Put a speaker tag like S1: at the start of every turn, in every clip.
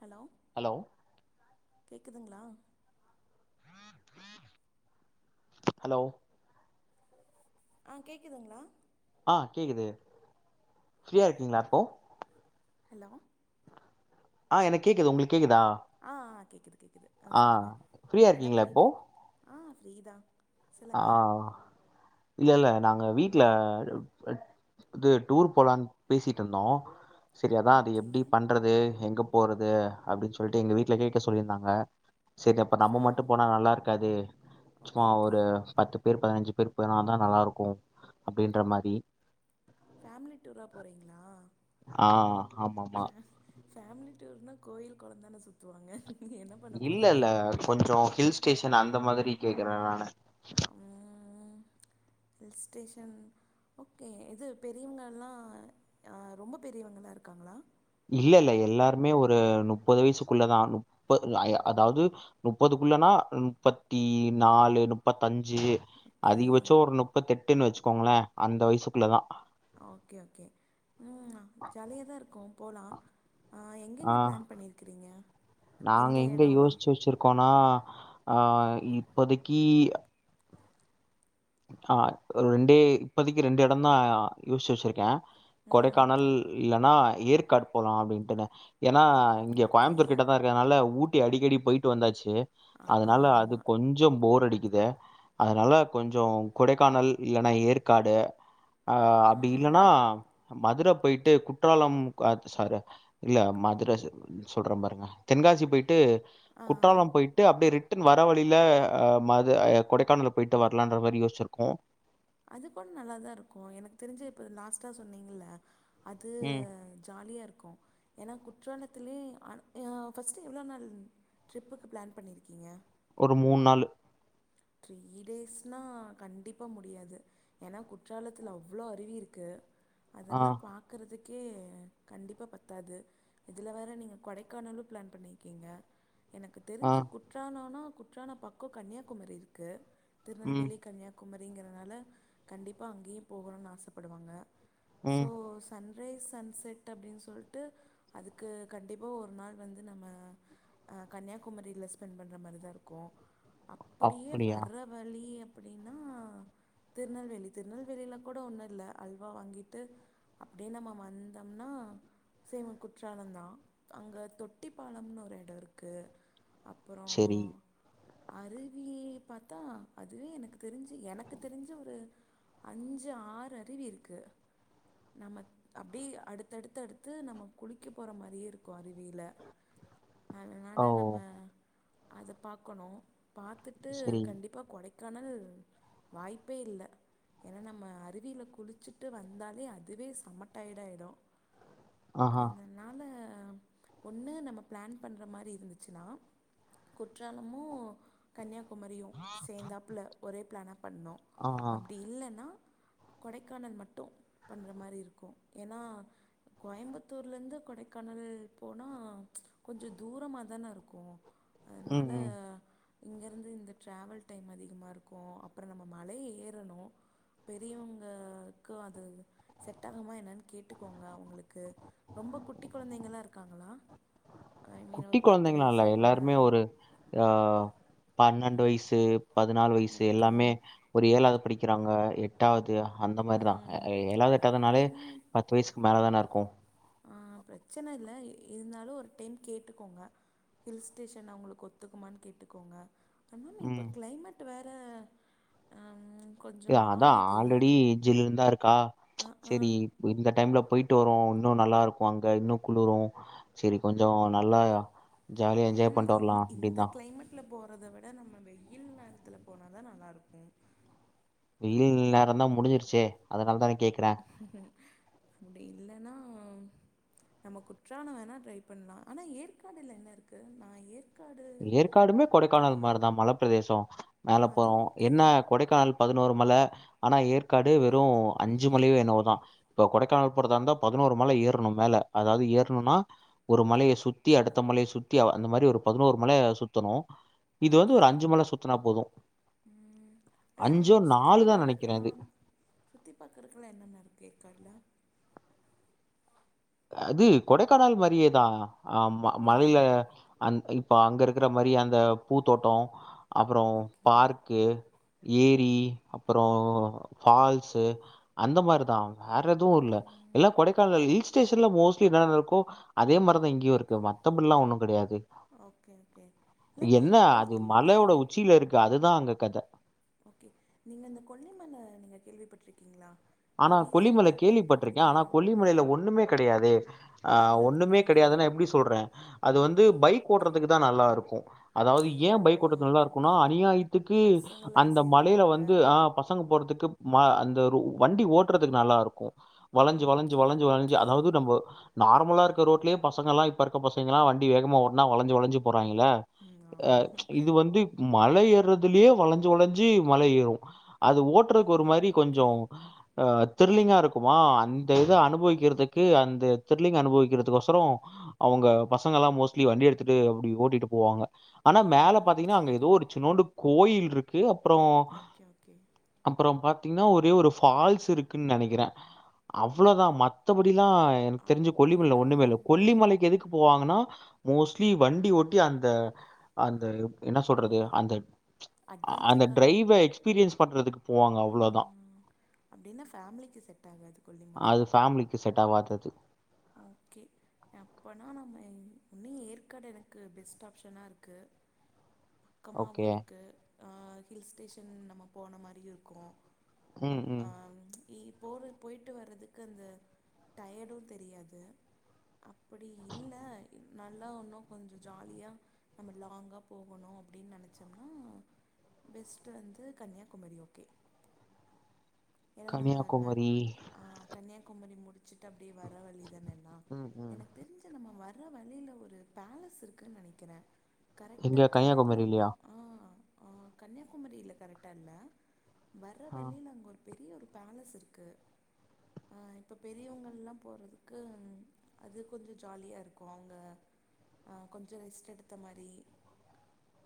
S1: Hello
S2: hello
S1: கேக்குதுங்ளா
S2: hello
S1: ஆஹ் கேக்குதுங்களா
S2: ஆஹ் கேக்குது ஃப்ரீயா இருக்கீங்களா இப்போ
S1: ஹலோ
S2: ஆஹ் என கேக்குது உங்களுக்
S1: ஆ ஆ கேக்
S2: ஆஹ் ஃப்ரீயா இருக்கீங்களா இப்போ
S1: பண்ணிட்ருக் ஆ ஃப்ரீதான்
S2: ஆஹ் அ இல்ல இல்ல நாங்க வீட்டு்ல இது டூர் போலனு பேசிட்டு இருந்தோம் சரி அதான் அது
S1: ஓகே
S2: எப்படி பண்றது எங்க போறது அப்படின்னு சொல்லிட்டு எங்க வீட்டு்ல கேட்க சொல்லியிருந்தாங்க சரி அப்ப
S1: ஃபே
S2: நம்ம மட்டும் போனா நல்லா இருக்காது
S1: ஓகே
S2: சும்மா
S1: ஓகே
S2: ஒரு பேர் பதினஞ்சு பேர் போனா தான் நல்லா இருக்கும் அப்படின்ற மாதிரி
S1: ஃபேமிலி டூரா போறீங்களா
S2: ஆஹ் ஆமா மா
S1: ஃபே ஃபேமிலி டூர்னா கோயில் குளந்தானே சுத்துவாங்க என்ன பண்ண
S2: இல்ல
S1: போறீங்க
S2: இல்ல கொஞ்சம் ஹில்ஸ் ஸ்டேஷன் அந்த மாதிரி கேடக்குறேன் நானு
S1: ம் ஹில் ஸ்டேஷன் ஓகே இது பெரியவங்கலாம் ரொம்ப பெரியவங்கலாம் இருக்காங்களா
S2: இல்ல இல்ல எல்லாருமே ஒரு முப்பது வயசுக்குள்ளதான் முப்பது அதாவது முப்பதுக்குள்ளனா முப்பத்தி நாலு முப்பத்தஞ்சு
S1: ஓகே
S2: அதிகபட்சம் ஒரு முப்பத்தி எட்டு ட்டுன்னு வச்சுக்கோங்களேன் அந்த வயசுக்குள்ளதான்
S1: ஓகே ஓகே உம் ஜாலியா தான் இருக்கு போகலாம்
S2: ஆ
S1: எங்கெங்கே பிளான் பண்ணியிருக்கிறீங்க
S2: நாங்க
S1: எந்த
S2: எங்க
S1: எடம்லா
S2: யோசிச்சு வச்சிருக்கோம்னா அஹ் இப்போதைக்கு ஆஹ் ஒரு ரெண்டே இப்பதக்கு ரெண்டு இடம் தான் யோசிச்சு வச்சிருக்கேன்
S1: ம்
S2: கொடைக்கானல் இல்லைனா ஏற்காடு போலாம் அப்டின்ட்டுன ஏன்னா
S1: ம்
S2: இங்க
S1: ஓகே
S2: கோயம்பத்தூர் கிட்ட தான் இருக்கதுனால ஊட் அடிக்கடி போயிட்டு வந்தாச்சு
S1: ஆ ஆ
S2: அதனால அது
S1: ஆமா
S2: கொஞ்ச போர்டிக்கும் து அதனால கொஞ்ச சோம் கொடைக்கானல் இல்லைன்னா ஏற்காடு ஆஹ அப்படி
S1: ஆம்
S2: இல்லைன்னா மதுரை போயிட்டு குற்றாலம் சார இல்ல மதுரை சொல்றன் பாருங்க தென்காசி போயிட்டு
S1: ஆ ஆ
S2: குற்றாலம் போயிட்டு அப்படியே ரிட்டு வர வழியில ம து கொடைக்கானல் போயிட்டு வந் லாம் அந்த மாதிரி யோச்சிருக்கோம்
S1: அது கூட நல்லாதான் இருக்கு எனக்கு தெரிஞ்சு இப்ப லாஸ்டா சொன்னீங்கல்ல அது
S2: ம்
S1: ஜாலியாக இருக்கு ஏன்னா கு குற்றாலத்துலே ஃபர்ஸ்ட்டு எவ்வளோ நாள் ட்ரிப்புக்கு பிளான் பண்ணியிருக்கீங்க
S2: ஒரு மூணு நாலு
S1: த்ரீ டேஸ்னா கண்டிப்பா முடியாது ஏன்னா குற்றாலத்துல அவ்ளோ அருவி இருக்கு
S2: ஆ
S1: அதெல்லாம் பாக்குறதுக் கே கண்டிப்பா பத்தாது இதுல வேற நீங்க கொடைக்கானலும் பிளான் பண்ணிருக்கீங்க எனக்கு
S2: ஆ
S1: தெரிஞ்சு குற்றாலம்னா குற்றாலம் பக்கம் கன்னியாகுமரி இருக் குது
S2: ம்
S1: திருநெல்வேலி கன்னியாகும ரிங்கிறதுனால கண்டிப்பா அங்கேயும் போகணும்னு ஆசைப்படுவாங்க ஸோ
S2: ம்
S1: சன் ரைஸ் சன் செட் அப்படின்னு சொல்லிட்டு அதுக்கு கண்டிப்பா ஒரு நாள் வந்து நம்ம அ கன்னியாகுமரியில் ஸ்பெண்ட் பண்ணுற மாதிரி தான் இருக்கும் அப்படியே
S2: அப்ப
S1: வர்ற வழிய அப்படின்னா திருநெல்வேலி திருநெல்வேலியில கூட ஒன்னும் இல்லை அல்வா வாங்கிட்டு அப்படியே நம்ம வந்தோம்னா சேவன் குற்றாலம் தான் அங்க தொட்டி பாலம்னு ஒரு இடம் இருக்கு
S2: செரி
S1: அருவி பாத்தா அதுவே எனக்கு தெரிஞ்சு எனக்கு தெரிஞ்சு ஒரு அஞ்சு ஆறு அருவி இருக்கு நம்ம அப்படியே அடுத்தடுத்து அடுத்து நம்ம குளிக்க போற மாரியே இருக்கும் அருவியில அதனால
S2: ஓ
S1: நம்ம அதை பார்க்கணும் பா து
S2: சரி
S1: கண்டிப்பா கொடைக்க க்கானல் வாய்ப்பே இல்லை ஏன்னா நம்ம அருவியில் குளிச்சுட்டு வந்தாலே அதுவே செம டயர்ட் ஆயிடும்
S2: ஆஹா
S1: அதனால ஒண்ணு நம்ம பிளான் பன்ற மாதிரி இருந்துச்சு னா குற்றாலமோ கன்னியாக் குமரியும் சேர்ந்தாப்புள்ள ஒரே பிளானா பண்ணோம்
S2: ஆ
S1: அப்படி இல்லைன்னா கொடைக்கானல் மட்டும் பண்ற மாதிரி இருக்கும் ஏன்னா கோயம்புத்தூர்ல இருந்து கொடைக்கானல் போனா கொஞ்சம் தூரமா தான இருக்கும்
S2: ம்
S1: அதனால
S2: ம்
S1: இங்க அது இந்த டிராவல் டைம் அதிகமா இருக்கும் அப்புறம் நம்ம மலை ஏறணும் பெரியவங்களுக்கு அது செட் ஆகுமா என்னன்னு கேட்டுக்கோங்க அவங்களுக்கு ரொம்ப குட்டி குழந்தைங்களா இருக்காங்களா ஐ மீன்
S2: குட்டி
S1: ஒரு பத்து
S2: குழந்தைங்களாம் இல்ல
S1: வயசுக்குள்ள
S2: எல்லாருமே ஒரு அஹ் பன்னெண்டு வயசு பதினாலு வயசு
S1: ஓகே
S2: எல்லாமே ஒரு ஏழாது படிக் க்கிறாங்க எட்டாவ்து அந்த மாரிதா
S1: ம்
S2: ஏலாது எட்டாதுனாலே
S1: அப்படின்னா
S2: பத்து வயசுக்கு மேல தான இரு க்கு
S1: ஆஹ் பிரச்சன இல்லை இருந்தாலு ஒரு டைம் கேட்டுக்கோங்க ஹில் ஸ்டேஷன் அவங்களுக்கு ஒத்துக்குமான்னு கேட்டுக்கோங்க ஆனா இப்ப
S2: ம்.
S1: கிளைமட் வேற ஹம்,
S2: எ
S1: கொஞ்சம்
S2: அதா
S1: மாறுது
S2: ஆல்ரெடி எஜ்ல இருந்து தா இருக்கா ப்ச்
S1: ஆ ஆ
S2: செரி இப் இந்த டைம்ல போயி ட்டு வருவோ இன்னு நல்லா இருக்கு அங்க இன்னு குளிரு செரி கொஞ்சோ நல்லா ஜாலியா என்ஜாய் பண்ட்டு
S1: உம்
S2: வரலா
S1: இந்த
S2: அப்டின்தா.
S1: கிளைமேட்ல போறத விட நம்ம வெய்யில் நேரத்துல போனாதா நல்லா இருக்கு
S2: வெய்யில் நேரந்தா முடிஞ்சிருச்சே அதனாலதா
S1: அப்படி இல்ல ஆனா நம்ம குற்றாளம் வேணா ட்ரை பண்ணலா ஆனா ஏற்காடில என்ன இருக்கு நா ஏற்
S2: ஏற்காடுமே கொடைக்கானல் மாரிதா மலைப்பிரதேசோ
S1: ஆ அது
S2: மேலப்போறோ
S1: ஓகே
S2: என்ன கொடைக்கானல் பதினோரு மல ஆனா ஏற்காடு வெறு அஞ்சு மலயோ என்னவோதா இப்ப கொடைக்கானல் போறதா இருந்தா பதினோரு மல ஏறணு மேல அதாவது ஏறனுன்னா ஒரு மலையசுத்தி அடுத்த மலைய சுத்தி அந்த மாரி ஒரு பதினோரு மலய சுத்தணு
S1: ஓகே ம் இல்ல அங்க சுத்தி
S2: தான் நெனைக்கிறேன்
S1: பாக்கறதுக்கெல்லா
S2: இது.
S1: சுத்தி பார்கறதுக்கெல்லா என்னென்ன இருக்கு ஏற்காட்ல
S2: அது கொடைக்கானல் மாரியேதா ஆமா
S1: ஆ
S2: மலையில அந் இப்ப அங்க இருக்கிற மாரி அந்த பூ தோட்டோ அப்புறொ
S1: ஓகே
S2: பார்க்கு ஏரி அப்புறொ ஃபால்ஸு அந்த மாரிதா வேற எதுவு இல்ல
S1: ம்
S2: எல்லா கொடைக்கானல் ஹில்ஸ் ல மோஸ்லி என்னன்ன இருக்கோ அதே மாரிதா இங்கயு இருக்கு மத்தபடியெல்லா ஒன்னு கெடையாது
S1: ஓகே ஓகே இல்லாட்டி
S2: என்ன
S1: இந்த
S2: அது
S1: கொல்லிமல
S2: மலையோட உச்சியில இருக்கு அதுதா அங்க கதி
S1: ஓகே நீங்க இந்த கொல்லிமல நீங்க கேள்விப்பட்டிருக்கீங்ளா
S2: ஆனா கொல்லிமல கேள்விப்பட்டிருக்க ஆனா
S1: ஆ
S2: கொல்லிமலையில ஒண்ணுமே கெடையாதே ஆஹ்
S1: அதெல்லா அங்க
S2: ஒண்ணுமே
S1: ஒன்னும் இல்ல
S2: கெடையாதுன்னா எப்படி சொல்ற அது வந் து பைக் ஓட்றதுக்குதா நல்லாருக்கு அதாவது ஏ
S1: ஓ
S2: பைக் ஓட்றதுக்கு நல்லா
S1: ஓகே
S2: இருக்குனா
S1: ஓகே
S2: அநியாயத்துக்கு
S1: பசங்கள்லா
S2: அந்த
S1: சேர்ந்து
S2: மலயில
S1: போக
S2: வந்து ஆஹ பசங்க போறதுக்கு மா அந்த ரூ வண்டி ஓட்டறதுக்கு நல்லாருக்கு வளஞ்சு வளஞ்சு
S1: ஓகே
S2: வளஞ்சு வளஞ்சு
S1: ஓகே
S2: அதாவது நம்ப நார்மலா இருக்க ரோட்லயே பசங்கெல்லா இப்ப இருக்க பசங்கெல்லா வண்டி வேகமா ஓட்னா வளஞ்சு வளஞ்சு போ றாங்கில்ல
S1: ம் ஆமா
S2: ப்ச் இது வந்து மல ஏர்றதுலயே வளைஞ்சு வளைஞ்சு மல ஏறுவோ அத
S1: ஆ
S2: ஓட்டறக்கு ஒரு மாரி கொஞ்சோ
S1: ஓகே
S2: ஹ திர்லிங்கா இருக்குமா அந்த இத அனுபவிக்கிறதுக்கு அந்த திர்லிங்க் அனுபவிக்கிறதுக்கொசரோ அவுங்க பசங்க எல்லா மோஸ்ட்லி வண்டி எடுத்துட்டு அப்டி ஓட்டிட்டு போவாங்க ஆனா மேல
S1: ம்
S2: பாத்தீங்கன்னா அங்க
S1: சரி
S2: எதோ ஒரு சின்னூண்டு கோயில் இருக்கு அப் அப்றோ
S1: ஓகே ஓகே
S2: அப்புறோ பாத் ன்னா ஒரே ஒரு ஃபு பால்ஸ் இருக்குன்னு நெனைக்கிற அவ்ளோதா மத்த படி ல்ல எனக்கு தெரிஞ்சு கொல்லிமலை
S1: அப்படின்னா
S2: ஒண்ணுமேல
S1: ம்
S2: கொல்லிமலைக்கு எதுக்கு போவாங்கன்னா மோஸ்ட்லி வண்டி ஓட்டி அந்த அந்த என்ன சொல்றது அந்த அந்த
S1: அட்வென்ச்சர்க்காக
S2: டிரைவ எக்ஸ்பீரியன்ஸ் பண்றதுக்கு போவாங்க அவ்ளோதா
S1: அப்டின்னா ஃபமிலிக்கு செட் ஆகாது கொல்லிமலை
S2: அது ஃபேமிலிக்கு செட் ஆவாதது.
S1: ஓகே அப்பனா நம்ம இன்னி ஏற்காடு எனக்கு பெஸ்ட் ஆப்ஷனா இருக்கு பக்கமாவு
S2: ஓகே.
S1: இருக்கு அ ஹில் ஸ்டேஷன் நம்ம போன மாரியு இருக்கு
S2: ம்,
S1: பக்
S2: ம்.
S1: ஆ இ போற போயிட்டு வர்றதுக்கு அந்த டயர்டு தெரியாது அப்போ நல்லா ஒன்னு கொஞ்சோ ஜாலியாக நம்ம லாங்காக போகணு அப்டின்னு நெனச்சம்னா பெஸ்ட்டு வந்து கன்னியாகுமரி ஓகே இத நம்ம வந்த
S2: கன்னியாகுமரி.
S1: ஆஹ் கன்னியாகுமரி மூட் ச்ட்டு அப்டியே வர வழிதா அண்ணா
S2: ம், ம்.
S1: எனக்கு தெரிஞ்ச நம்ம வர வர வழியில ஒரு பேலஸ் இருக்குன்னு நெனைக்கற கரெக்டா
S2: எங்க
S1: கேரளாப்ப
S2: கன்னியாகுமரிலயா?
S1: ஆஹ் ஆ கன்னியாகுமரியில கரெக்டா இல்ல வர
S2: ஆ.
S1: வழியிலங்க ஒரு பெரிய ஒரு பேலஸ் இருக்கு அ இப்ப பெரியவங்கல்லா போறதுக்கு அது அது கொஞ்சோ ஜாலியா இருக்கு அவங்க அஹ் கொஞ்ச ரெஸ்ட் எடுத்த மாரி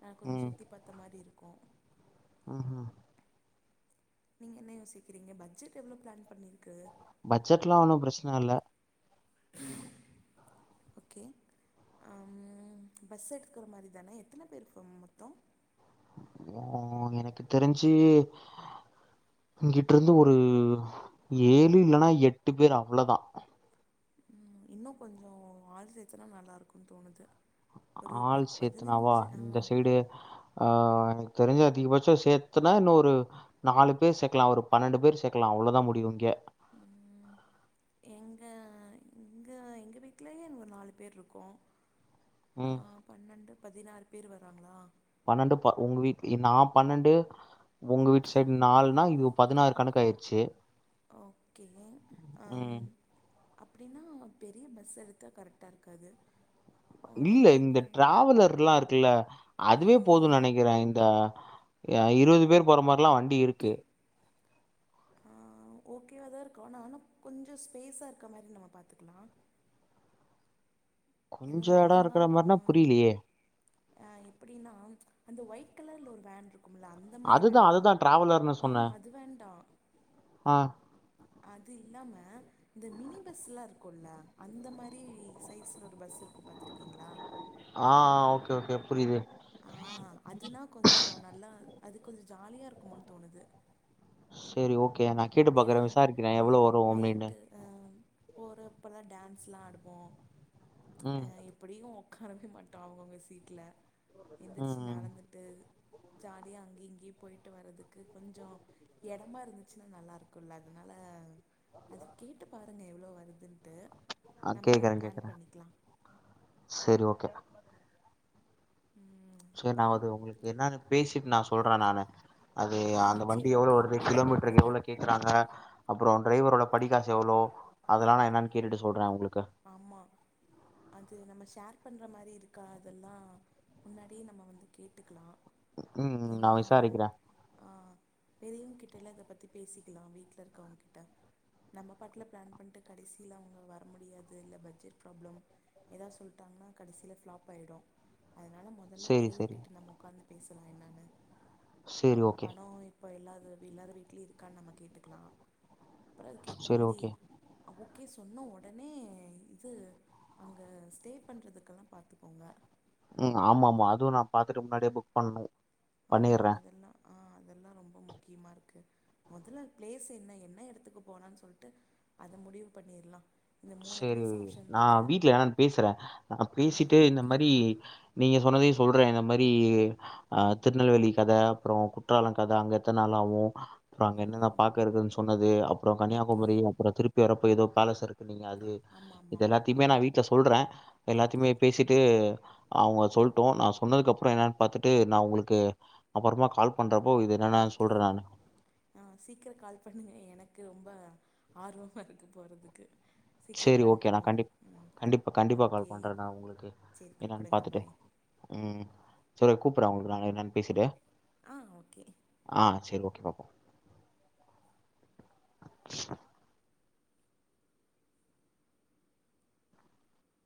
S1: நா கொஞ்சோ சுத்தி பாத்த மாரி இருக்கு
S2: உஹ்ம்
S1: நீங்க என்ன யோசிக்கிறீங்க பட்ஜட் எவ்ளோ ப்ளான் பண்ணிருக்கு
S2: பட்ஜெட்லா ஒண்ணு பிரச்சன இல்ல
S1: ஓகே அ ம் பஸ் எடுத்துக்கற மாரி தானே எத்தன பேர்ப்ப மொத்தோ
S2: ஓ எனக்கு தெரிஞ்சு இங்கிட்றிந்து ஒரு ஏழு இல்லன்னா எட்டு பேர் அவ்ளதா
S1: உம் இன்னு கொஞ்சசோ ஆள் சேர்த்தனா நல்லா இருக்குன்னு தோணுது ஒரு
S2: ஆள்
S1: ஒரு
S2: சேத்தனாவா
S1: பதினஞ்சு ஆ
S2: இந்த சைடு ஆஹ் தெரிஞ்ச அதிகபட்ச சேத்தனா இன்னு ஒரு நாலு பேர் சேக்கலா ஒரு பன்னெண்டு பேர் சேக்கலா அவ்ளோதா முடியு இங்க
S1: ம் எங்க எங்க எங்க வீட்லயேங்க ஒரு நாலு பேர் இருக்கோ
S2: ம்.
S1: ஆஹ் பன்னெண்டு பதினாறு பேர் வறாங்களா
S2: பன்னெண்டு ப உங்க வீட் நா பன்னெண்டு உங்க வீட்டு சைடு நாலுன்னா இது பதினாறு கணக்கு ஆயிடுச்சு
S1: ஓகே அம் அப்டினா பெரிய பஸ் எடுத்தா கரெக்டாகருக்காது
S2: இல்ல இந்த டிராவலர்லாம் இருக்குல்ல
S1: ஆ
S2: அதுவே போதும் நினக்கிறேன் இந்த ஏ இருபது பேர் போற மார்லாம் வண்டி இருக்கு
S1: ஆஹ் ஓகேவாதான் இருக்கோ ஆனா கொஞ்சம் ஸ்பேஸா இருக்க மாரி நம்ம பாத்துக்கலாம்
S2: கொஞ்ச இடம் இருக்கிற மாரினா புரியலயே
S1: அ எப்டினா அந்த ஒயிட் கலர்ல ஒரு வேன் இருக்கு அந்த மாரி
S2: அதுதா அதுதா
S1: வேண்டாம்
S2: டிராவலர்னு
S1: ஆ
S2: சொன்னே
S1: அது வேண்டாம்
S2: ஆ
S1: அது இல்லாம இந்த மினி பஸ்லாம் இருக்குல அந்த மாரி சைஸ்ல ஒரு பஸ் இருக்கும் பாத்துருக்கீங்களா
S2: ஆஹ ஓகே ஓகே புரிது
S1: ஆ அதுனா கொஞ்சோ நல்லா அது கொஞ்சோ ஜாலியாக இருக்குமோனு தோணுது
S2: செரி ஓக் ஓகே நான் கேட்டு
S1: ஏன்னா
S2: பாக்கறேன் விசாரிக்கிறன் எவ்ளவு வரும்ம்ின்னு
S1: போற அப்பதான் டான்ஸ்லாம் ஆடுவோம் அ
S2: ம்
S1: எப்படியும் உக்காரவே மாட்டோ அவங்கவங்க சீட்டுல
S2: ம்
S1: எந்திரிச்சு
S2: ம்
S1: நடந்துட்டு ஜாலியா இங்கேயே போயிட்டு வர்றதுக்கு கொஞ்சம் இடமா இருந்துச்சுன்னா நல்லா இரு ம்ல்ல அதுனால அ அது கேட்டு பாருங்க எவ்ளோ வருதுன்னட்டு
S2: ஆ கேக்றேன் கேக்றேன் செரி ஓகே
S1: ம்
S2: சரி
S1: அப்புறம்
S2: நாவது உங்களுக்கு என்னானு பேசி நா சொல்றே நானு அது
S1: ஆ
S2: அந்த வண்டி
S1: சேரி
S2: எவ்ளோ
S1: ஓகே
S2: வருது
S1: நீங்க
S2: கிலோமீட்ருக்கு
S1: கூப்புடுங்க
S2: எவ்ளோ கேக்குறாங்க அப்பறம் டிரைவரோட படிகாசு எவ்ளோ அதெலாம் என்னனு கேட்டு சொல்றேன் உங்களுக்கு
S1: ஆமா அது நம்ம ஷேர் பண்ற மாரி இருக்கா அதலாம் முன்னாடியே நம்ம வந்து கேட்டுக்கலாம்
S2: உம் நா விசாரிக்றேன்
S1: ஆ பெரியவங்க கிட்ட இல்ல இத பத்தி பேசிக் லாம் வீட்ல இருக்கவங்க கிட்ட நம்ம பாட்டுல பிளான் பண்ட்டு கடசியில அவங்க வர முடியாது இல்ல பட்ஜெட்ப்ராபளம் எதாவது சொல்லிட்டாங்னா கடசியில பிளாப் ஆயிடும் அதுனால முதல்ல
S2: சரி சரி
S1: பெரியவுங்கிட்ட நம்ம உக்காந்து பேசலாம் என்னானு
S2: சரி
S1: ஆஹ்
S2: ஓகே
S1: பணம் இப்ப இல்லாது எல்லாரும் வீட்லயே இருக்கான்னு நம்ம கேட்டுக்கலாம் அப்பறம் அதுக்கு ஏத்த
S2: சரி
S1: மாறி
S2: ஓகே
S1: க்கே சொன்ன உடனே இது அங்க ஸ்டே பண்றதுக்கெல்லாம் பாத்துக்கோங்க
S2: உஹம் ஆமா ஆமா அதுவும் நான் பாத்துட்டு முன்னாடியே புக் பண்ணனும்
S1: ஆமா அதெல்லா ஆஹ் அதெல்லாம் ரொம்ப முக்கியமா இருக்கு மொதல்ல ப்ளேஸ் என்ன என்ன இடத்துக்கு போனான்னு சொல்லிட்டு அத முடிவு பண்ணிரலா
S2: செரி நான் வீடல என்னானு பேசறேன் நான்
S1: ஆ
S2: பேசிட்டு இந்த
S1: ஓகே
S2: மாறி நீங்க சொன்னதே சொல்றேன் இந்த மாதிரி அஹ் திருநெல்வேலி கத அப்பறம் குற்றாலம் கத அங்க எத்தன நாளாவும் அப்புறோ அங்க
S1: ஆ
S2: என்னலா பாககறதுன்னு சொன்னது அப்புறோ
S1: ஓகே
S2: கன்னியாகுமரி அப்புறோ திருப்பி வர ஏதோ பேலஸ் இருக் நீங்க அது
S1: ஆமா ஆமா
S2: இது
S1: ஆமா ஆ
S2: எல்லாத்தையுமே நான் வீட்ல சொல்றேன்
S1: ஓகே
S2: எல்லாத்தையுமே பேசிட்டு அவங்க சொல்ட்டும் நான் சொன்னதுக்கப்புறோ என்னன்னு பாத்துட்டு நான் உங்களுக்கு அப்பறமா கால் பண்றே
S1: ஓகே ஆ சீக்கிரம் கால் பண்ணுங்க எனக்கு ரொம்ப ஆர்வமா இருக்கு போறதுக்கு சீக்கிரோ
S2: செரி
S1: பிளான்
S2: ஓகே நான்
S1: பண்லா
S2: கண்டி
S1: ம்
S2: கண்டிப்பா கண்டிப்பா கால்
S1: ஓகே
S2: பண்றேன் நான் உங்களுக்கு
S1: சேரி
S2: என்னன்னு
S1: கூப்புடுங்க
S2: பாத்துட்டு
S1: பாய்
S2: உம் செரி கூப்டறேன் உங்களுக்கு நான் என்னனு பேசிட்டு
S1: ஆஹ் ஓகே
S2: பாப்போம்